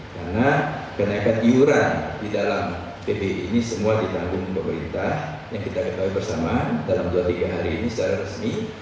karena kenaikan iuran di dalam bpi ini semua ditanggung pemerintah yang kita ketahui bersama dalam dua tiga hari ini secara resmi